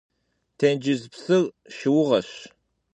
Тенджыз псыр шыугъэщ.